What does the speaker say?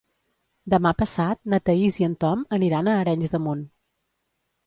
Demà passat na Thaís i en Tom aniran a Arenys de Munt.